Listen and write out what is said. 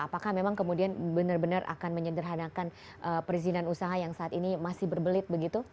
apakah memang kemudian benar benar akan menyederhanakan perizinan usaha yang saat ini masih berbelit begitu